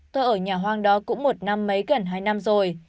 tôi ở nhà hoang đó cũng một năm mấy gần hai năm rồi